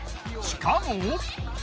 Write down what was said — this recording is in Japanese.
しかも。